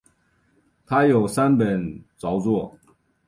他有三本着作。